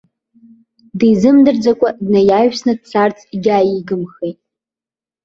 Дизымдырӡакәа днаиаҩсны дцарц егьааигымхеит.